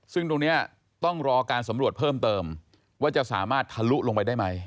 ซึ่งตรงนี้ต้องรอการสำรวจเพิ่มเติมว่าจะสามารถทะลุลงไปได้ไหม